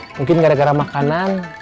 mungkin gara gara makanan